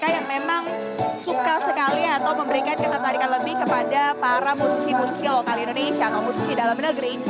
yang memang suka sekali atau memberikan ketertarikan lebih kepada para musisi musisi lokal indonesia atau musisi dalam negeri